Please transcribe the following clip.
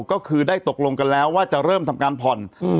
ก็คือได้ตกลงกันแล้วว่าจะเริ่มทำการผ่อน